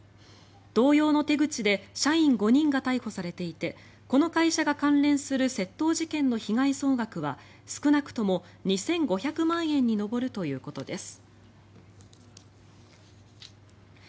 同様の手口で社員５人が逮捕されていてこの会社が関連する窃盗事件の被害総額は少なくとも２５００万円に上るということです。